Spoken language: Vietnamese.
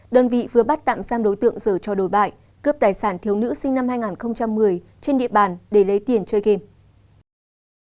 đơn vị vừa bắt tạm giam đối tượng giờ cho đồi bại cướp tài sản thiếu nữ sinh năm hai nghìn một mươi trên địa bàn để lấy tiền chơi game